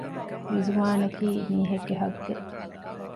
އިޒުވާނަކީ މީހެއްގެ ހައްޤެއް